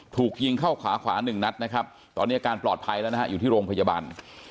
ถูกยิงเข้าขาขวาหนึ่งนัดนะครับตอนนี้อาการปลอดภัยแล้วนะฮะอยู่ที่โรงพยาบาล